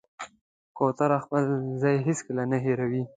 کوتره خپل ځای هېڅکله نه هېروي.